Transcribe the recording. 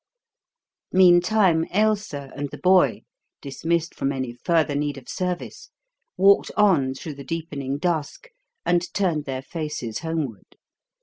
Meantime Ailsa and the boy, dismissed from any further need of service, walked on through the deepening dusk and turned their faces homeward.